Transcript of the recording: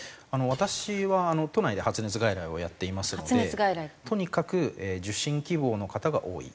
私は都内で発熱外来をやっていますのでとにかく受診希望の方が多い。